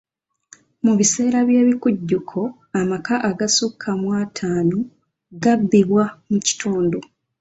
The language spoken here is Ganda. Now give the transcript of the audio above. Mu biseera by'ebikujjuko, amaka agasukka mu ataano gabbibwa mu kitundu.